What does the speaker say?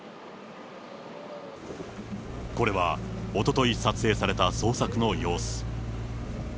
これはおととい撮影された捜索の様子。